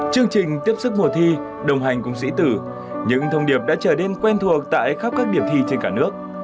chương trình tiếp sức mùa thi đồng hành cùng sĩ tử những thông điệp đã trở nên quen thuộc tại khắp các điểm thi trên cả nước